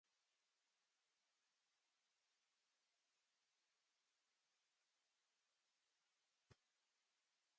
This program finally combined reliability and accuracy, along with the necessary stand-off range.